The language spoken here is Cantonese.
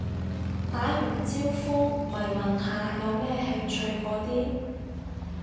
打完招呼咪問下有咩興趣嗰啲